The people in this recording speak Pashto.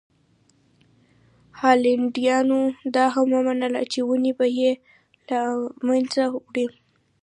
هالنډیانو دا هم ومنله چې ونې به یې له منځه وړي.